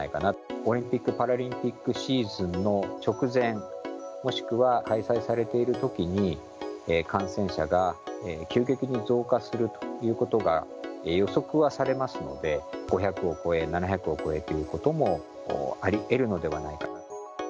オリンピック・パラリンピックシーズンの直前、もしくは開催されているときに、感染者が急激に増加するということが予測はされますので、５００を超え、７００を超えということもありえるのではないかと。